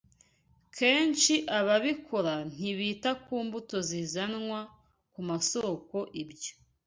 Kenshi ababikora ntibita ku mbuto zizanwa ku masoko ibyo